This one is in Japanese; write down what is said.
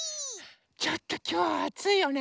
ちょっときょうはあついよね。